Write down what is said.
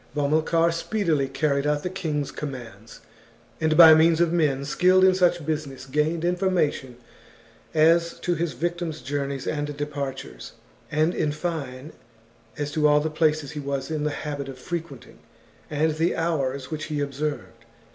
Bomilcar speedily carried out the king's commands, and, by means of men skilled in such business, gained information as to his victim's journeys and departures, and, in fine, as to all the places he was in the habit of frequenting, and the hours which he observed.